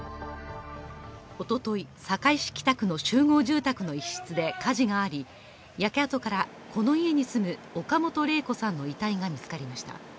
おととい、堺市北区の集合住宅の一室で火事があり焼け跡から、この家に住む岡本玲子さんの遺体が見つかりました。